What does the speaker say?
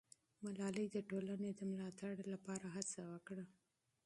ملالۍ د ټولنې د ملاتړ لپاره هڅه وکړه.